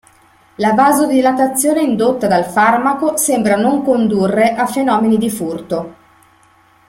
La vasodilatazione indotta dal farmaco sembra non condurre a fenomeni di furto.